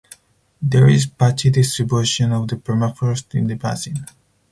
There is patchy distribution of permafrost in the basin.